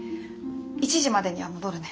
１時までには戻るね。